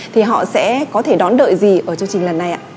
thì họ sẽ có thể đón đợi gì ở chương trình lần này ạ